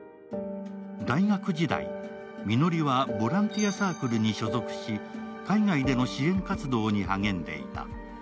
大学時代、みのりはボランティアサークルに所属し海外での支援活動に励んでいた。